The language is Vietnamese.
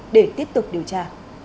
để tiếp tục điều tra